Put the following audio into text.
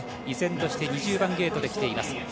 依然として２０番ゲートできています。